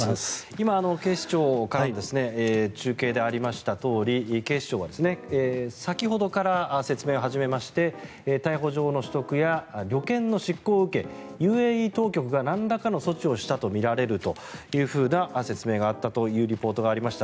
今、警視庁から中継でありましたとおり警視庁は先ほどから説明を始めまして逮捕状の取得や旅券の失効を受けＵＡＥ当局がなんらかの措置をしたとみられるという説明があったというリポートがありました。